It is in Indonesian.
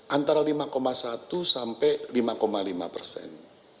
antara lima satu sampai lima lima persen